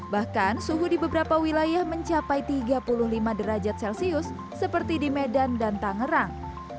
bahkan suhu di beberapa wilayah mencapai tiga puluh lima derajat celcius seperti di medan dan tangerang